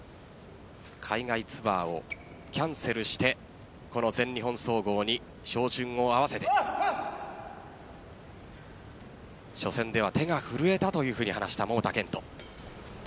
海外ツアーをキャンセルしてこの全日本総合に照準を合わせて初戦では手が震えたというふうに話した桃田賢斗。